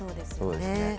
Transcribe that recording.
そうですね。